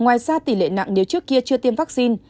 ngoài ra tỷ lệ nặng nếu trước kia chưa tiêm vaccine